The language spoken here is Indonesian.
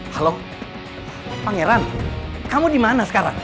halo pangeran kamu dimana sekarang